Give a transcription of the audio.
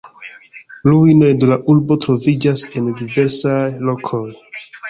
Ruinoj de la urbo troviĝas en diversaj lokoj.